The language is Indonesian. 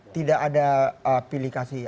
tidak ada pilih kasih